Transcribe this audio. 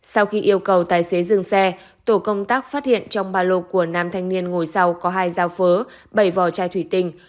sau khi yêu cầu tài xế dừng xe tổ công tác phát hiện trong ba lô của nam thanh niên ngồi sau có hai dao phớ bảy vỏ chai thủy tinh